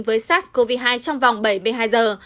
với sars cov hai trong vòng bảy mươi hai giờ